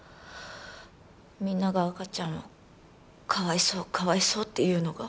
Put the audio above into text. みんなが赤ちゃんをかわいそうかわいそうって言うのが。